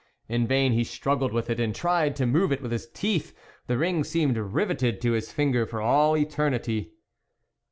In vain he struggled with it, and tried to move it with his teeth ; the ring seemed rivetted to his finger for all eternity.